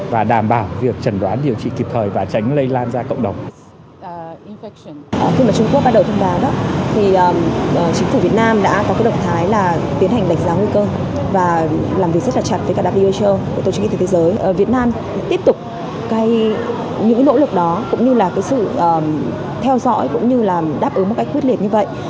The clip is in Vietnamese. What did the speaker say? và theo dõi cũng như là đáp ứng một cách quyết liệt như vậy